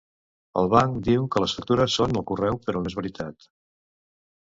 El banc diu que les factures són al correu però no és veritat